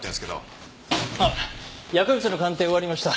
あっ薬物の鑑定終わりました。